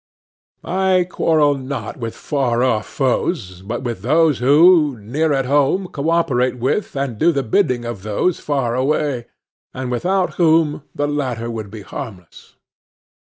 I quarrel not with far off foes, but with those who, near at home, co operate with, and do the bidding of those far away, and without whom the latter would be harmless.